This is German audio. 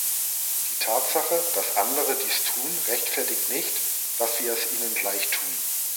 Die Tatsache, dass Andere dies tun, rechtfertigt nicht, dass wir es ihnen gleichtun.